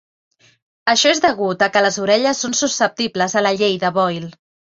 Això és degut a que les orelles són susceptibles a la Llei de Boyle.